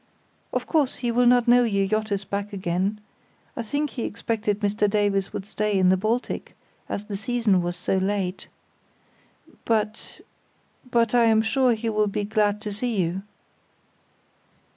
Of course, he will not know your yacht is back again. I think he expected Mr Davies would stay in the Baltic, as the season was so late. But—but I am sure he will be glad to see you."